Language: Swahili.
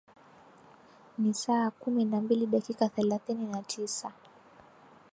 ni saa kumi na mbili dakika thelathini na tisa